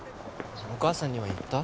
お母さんには言った？